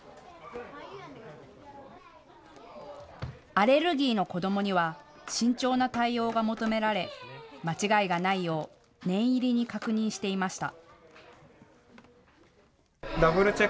アレルギーの子どもには慎重な対応が求められ間違いがないよう念入りに確認していました。